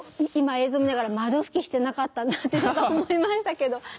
今映像を見ながら窓拭きしてなかったなって思いましたけど。